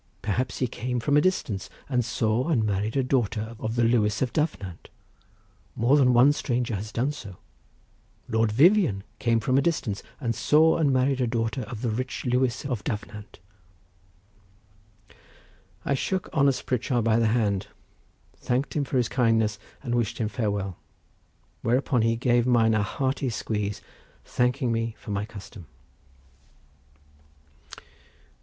Perhaps he came from a distance and saw and married a daughter of the Lewis of Dyfnant—more than one stranger has done so. Lord Vivian came from a distance and saw and married a daughter of the rich Lewis of Dyfnant." I shook honest Pritchard by the hand, thanked him for his kindness and wished him farewell, whereupon he gave mine a hearty squeeze, thanking me for my custom.